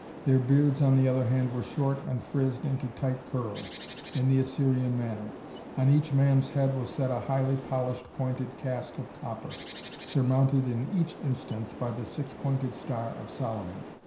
Their beards on the other hand were short and frizzed into tight curls, in the Assyrian manner. On each man's head was set a highly polished, pointed casque of copper, surmounted in each instance by the six pointed star of Solomon.